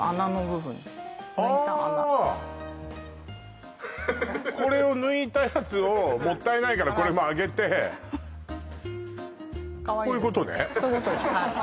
抜いた穴これを抜いたやつをもったいないからこれも揚げてこういうことねそういうことです